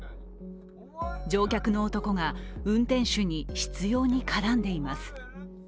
乗客の男が運転手に執ように絡んでいます。